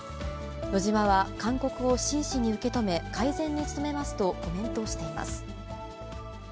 ノジマは、勧告を真摯に受け止め、改善に努めますとコメントしています。